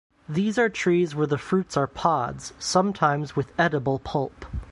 These are trees where the fruits are pods, sometimes with edible pulp.